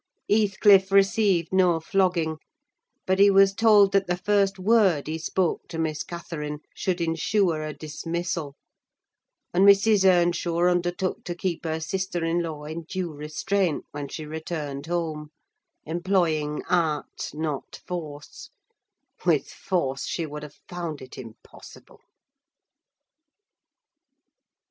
Heathcliff received no flogging, but he was told that the first word he spoke to Miss Catherine should ensure a dismissal; and Mrs. Earnshaw undertook to keep her sister in law in due restraint when she returned home; employing art, not force: with force she would have found it impossible.